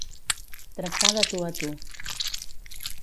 Tractar de tu a tu.